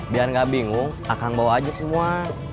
biar gak bingung akan bawa aja semua